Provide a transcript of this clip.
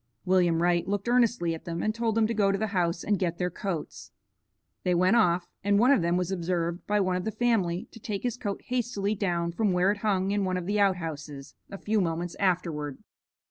William Wright looked earnestly at them and told them to go to the house and get their coats. They went off, and one of them was observed by one of the family to take his coat hastily down from where it hung in one of the outhouses, a few moments afterward.